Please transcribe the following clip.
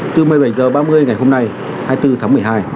từ một mươi bảy h ba mươi ngày hôm nay hai mươi bốn tháng một mươi hai